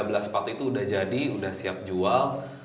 jadi tiga belas sepatu itu udah jadi udah siap jual